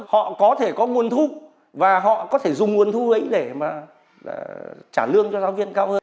họ có thể có nguồn thu và họ có thể dùng nguồn thu ấy để mà trả lương cho giáo viên cao hơn